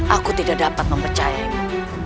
aku tidak dapat mempercayainya